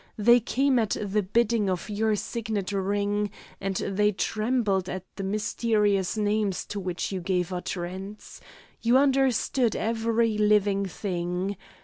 They came at the bidding of your signet ring, and they trembled at the mysterious names to which you gave utterance. You understood every living thing.